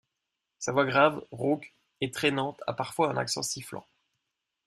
Sa voix grave, rauque et trainante a parfois un accent sifflant.